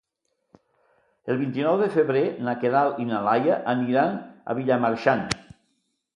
El vint-i-nou de febrer na Queralt i na Lia aniran a Vilamarxant.